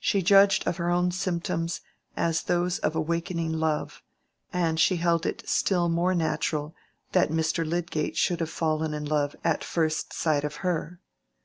She judged of her own symptoms as those of awakening love, and she held it still more natural that Mr. Lydgate should have fallen in love at first sight of her.